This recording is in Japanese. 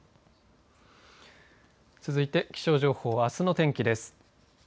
続いて気象情報あすの天気です。